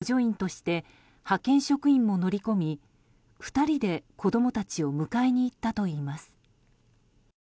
加えて、補助員として派遣職員も乗り込み２人で子供たちを迎えに行ったといいます。